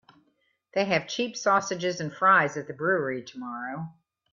They have cheap sausages and fries at the brewery tomorrow.